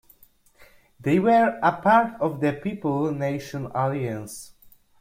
They were a part of the People Nation alliance.